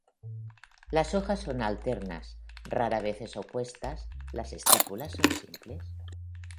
Las hojas son alternas, raras veces opuestas, las estípulas son simples.